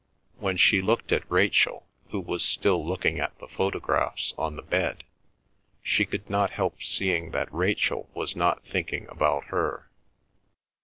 When she looked at Rachel, who was still looking at the photographs on the bed, she could not help seeing that Rachel was not thinking about her.